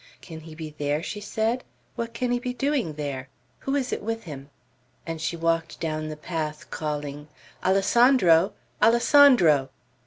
"Can he be there?" she said. "What can he be doing there? Who is it with him?" And she walked down the path, calling, "Alessandro! Alessandro!"